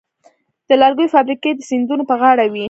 د لرګیو فابریکې د سیندونو په غاړه وې.